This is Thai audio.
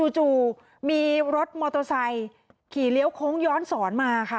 จู่มีรถมอเตอร์ไซค์ขี่เลี้ยวโค้งย้อนสอนมาค่ะ